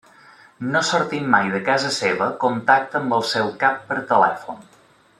No sortint mai de casa seva, contacta amb el seu cap per telèfon.